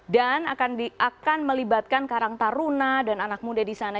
dan akan melibatkan karang taruna dan anak muda disana